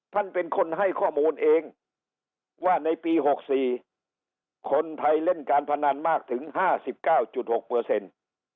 ท่านเป็นคนให้ข้อมูลเองว่าในปี๖๔คนไทยเล่นการพนันมากถึง๕๙๖เปอร์เซ็นต์